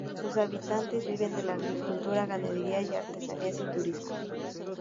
Sus habitantes viven de la agricultura, ganadería, artesanía y turismo.